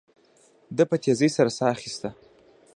ده په تيزۍ سره ساه اخيسته.